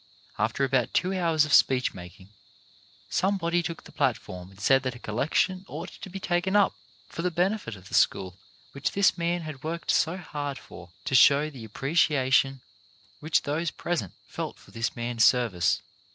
After about two hours of speech making, somebody took the platform and said that a collection ought to be taken up for the benefit of the school which this man had worked so hard for, to show the appreciation which those present felt for this man's services.